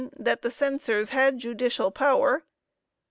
That the Censors had judicial power.